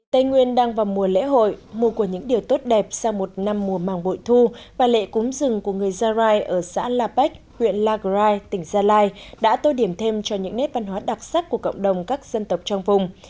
tây nguyên đang vào mùa lễ hội mùa của những điều tốt đẹp sau một năm mùa màng bội thu và lễ cúng rừng của người gia rai ở xã la pách huyện lagrai tỉnh gia lai đã tôi điểm thêm cho những nét văn hóa đặc sắc của cộng đồng các dân tộc trong vùng